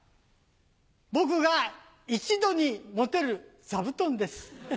僕が一度に持てる座布団です。